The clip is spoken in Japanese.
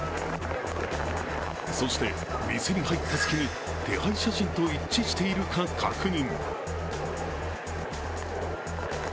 そして店に入った隙に、手配写真と一致しているか確認。